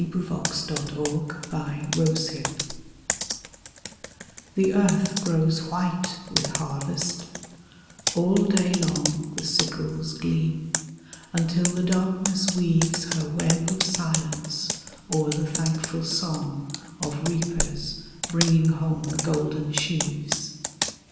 The Harvest of the Sea The earth grows white with harvest; all day long The sickles gleam, until the darkness weaves Her web of silence o'er the thankful song Of reapers bringing home the golden sheaves.